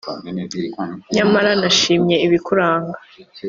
Nyamara nashimye ibikuranga